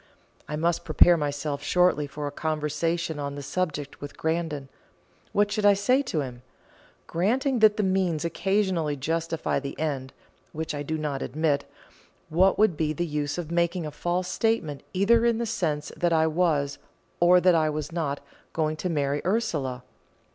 I must prepare myself shortly for a conversation on the subject with Grandon. What should I say to him? Granting that the means occasionally justify the end, which I do not admit, what would be the use of making a false statement either in the sense that I was, or that I was not, going to marry Ursula?